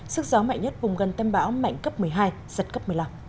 sức gió mạnh nhất vùng gần tâm bão mạnh cấp một mươi hai giật cấp một mươi năm